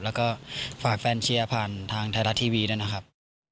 แล้วก็ฝากแฟนเชียร์ผ่านทางไทยรัฐทีวีด้วยนะครับ